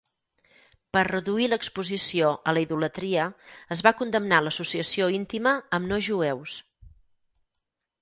Per reduir l'exposició a la idolatria, es va condemnar l'associació íntima amb no jueus.